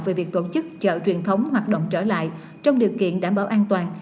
về việc tổ chức chợ truyền thống hoạt động trở lại trong điều kiện đảm bảo an toàn